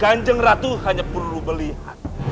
kanjeng ratu hanya perlu melihat